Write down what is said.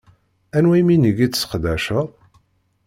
Anwa iminig i tseqdaceḍ?